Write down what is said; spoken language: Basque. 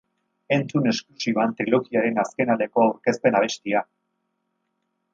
Entzun esklusiban trilogiaren azken aleko aurkezpen abestia!